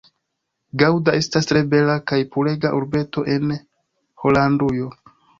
Gaŭda estas tre bela kaj purega urbeto en Holandujo.